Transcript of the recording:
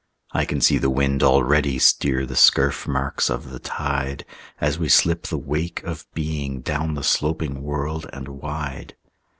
I can see the wind already Steer the scurf marks of the tide, As we slip the wake of being Down the sloping world and wide.